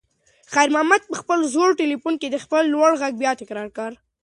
خیر محمد په خپل زوړ تلیفون کې د خپلې لور غږ بیا تکرار کړ.